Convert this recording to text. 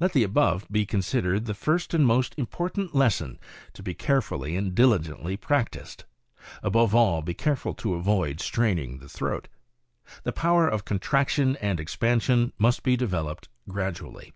Let the above be considered the first and most important lesson to be carefully and diligently practiced. Above all, be careful to avoid straining the throat. The power of contraction and expansion must be developed gradually.